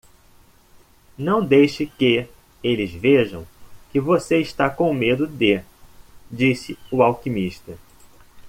"Não deixe que eles vejam que você está com medo de?", disse o alquimista.